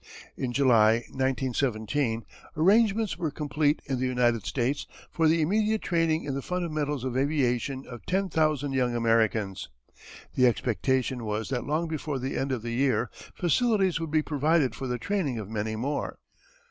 In July, 1917, arrangements were complete in the United States for the immediate training in the fundamentals of aviation of ten thousand young Americans. The expectation was that long before the end of the year facilities would be provided for the training of many more.